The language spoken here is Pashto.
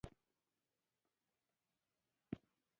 له پرمختګونو وروسته او په رکود کې پاتې شوې.